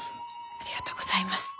ありがとうございます。